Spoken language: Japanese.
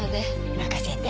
任せて。